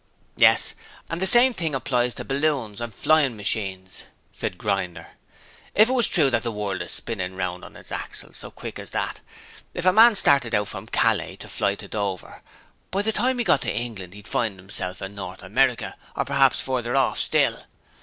'Yes, and the same thing applies to balloons and flyin' machines,' said Grinder. 'If it was true that the world is spinnin' round on its axle so quick as that, if a man started out from Calais to fly to Dover, by the time he got to England he'd find 'imself in North America, or p'r'aps farther off still.'